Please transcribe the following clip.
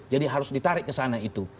jadi harus ditarik ke sana itu